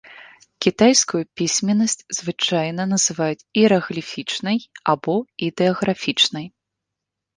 Кітайскую пісьменнасць звычайна называюць іерагліфічнай або ідэаграфічнай.